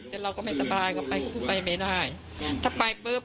แต่เราก็ไม่สบายก็ไปก็คือไปไม่ได้ถ้าไปปุ๊บ